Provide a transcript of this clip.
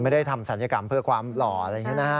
ไม่ได้ทำศัลยกรรมเพื่อความหล่ออะไรอย่างนี้นะฮะ